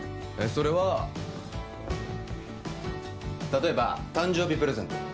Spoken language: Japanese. それは例えば誕生日プレゼント